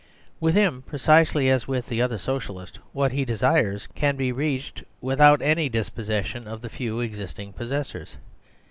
With him, precisely as with the other socialist, what he desires can be reached with out any dispossession of the few existing possessors.